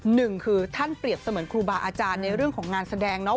หนึ่งคือท่านเปรียบเสมือนครูบาอาจารย์ในเรื่องของงานแสดงเนาะ